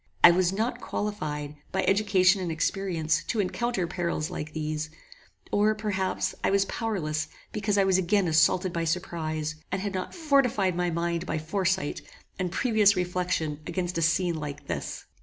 I was not qualified, by education and experience, to encounter perils like these: or, perhaps, I was powerless because I was again assaulted by surprize, and had not fortified my mind by foresight and previous reflection against a scene like this.